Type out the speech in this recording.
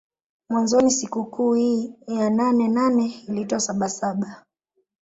Mwanzoni sikukuu hii ya nane nane iliitwa saba saba